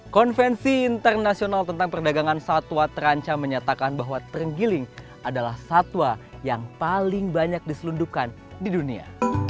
konvensi internasional tentang perdagangan satwa terancam menyatakan bahwa terenggiling adalah satwa yang paling banyak diselundupkan di dunia